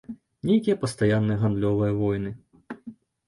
Нейкія пастаянныя гандлёвыя войны.